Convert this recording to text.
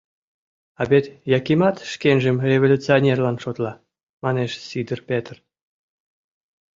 — А вет Якимат шкенжым революционерлан шотла, — манеш Сидыр Петр.